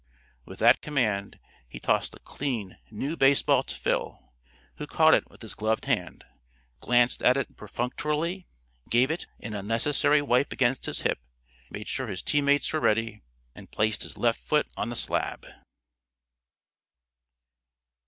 With that command, he tossed a clean, new baseball to Phil, who caught it with his gloved hand, glanced at it perfunctorily, gave it an unnecessary wipe against his hip, made sure his teammates were ready, and placed his left foot on the slab.